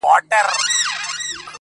زما په ږغ به د سرو ګلو غنچي وا سي-